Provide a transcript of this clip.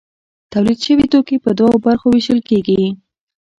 تولید شوي توکي په دوو برخو ویشل کیږي.